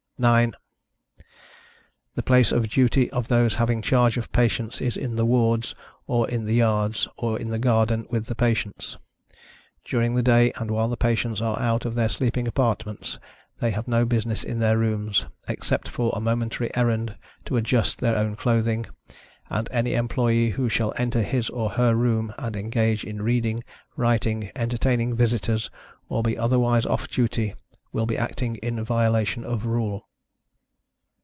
9. The place of duty of those having charge of patients is in the wards, or in the yards, or in the garden with the patients. During the day and while the patients are out of their sleeping apartments, they have no business in their rooms, except for a momentary errand to adjust their own clothing; and any employee who shall enter his or her room, and engage in reading, writing, entertaining visitors, or be otherwise off duty, will be acting in violation of rule.